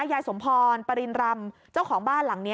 ยายสมพรปริณรำเจ้าของบ้านหลังนี้